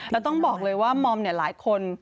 แล้วต้องบอกเลยว่ามอมเนี่ยหลายคน